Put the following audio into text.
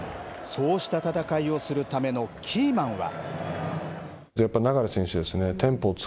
そうした戦いをするためのキーマンは。